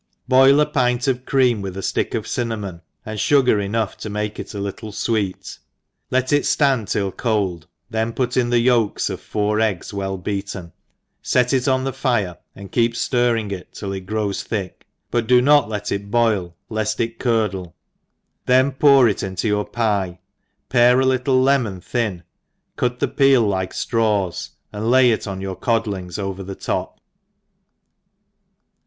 Boil a pint of cream, with affick of cinnamon, and fugar enough td make it a little fweet, let it fland till cold, then put in the yolks of four eggs well beaten, fet it on the fire and keep ftirring it till it grows thick, but do not let it boil, led it curdle, then pour it into your pye, pare a little lemon thin, cut the peel like Araws, and lay it on your codlings over the top.